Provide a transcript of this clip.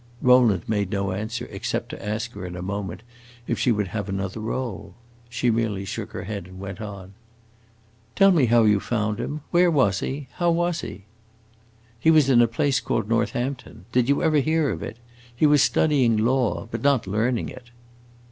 Rowland made no answer except to ask her in a moment if she would have another roll. She merely shook her head and went on: "Tell me how you found him. Where was he how was he?" "He was in a place called Northampton. Did you ever hear of it? He was studying law but not learning it."